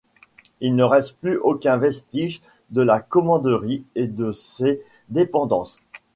Il ne reste plus aucun vestiges de la commanderie et de ses dépendances.